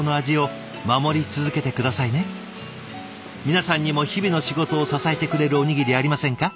皆さんにも日々の仕事を支えてくれるおにぎりありませんか？